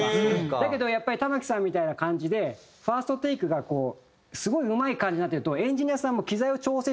だけどやっぱり玉置さんみたいな感じでファーストテイクがすごいうまい感じになってるとエンジニアさんも。